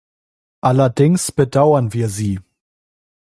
Allerdings bedauern wir sie.